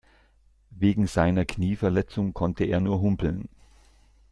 Wegen seiner Knieverletzung konnte er nur humpeln.